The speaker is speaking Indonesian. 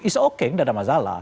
it's okay gak ada masalah